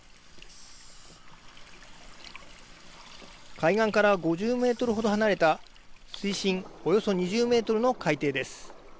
海岸から５０メートルほど離れた水深およそ２０メートルの海底です。